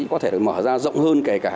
có thể được mở ra rộng hơn kể cả